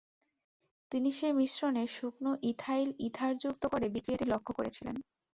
তিনি সেই মিশ্রণে শুকনো ইথাইল ইথার যুক্ত করে বিক্রিয়াটি লক্ষ্য করেছিলেন।